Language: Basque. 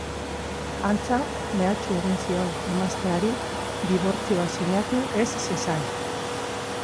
Antza, mehatxu egin zion emazteari dibortzioa sinatu ez zezan.